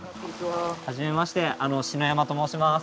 はじめまして、篠山と申します。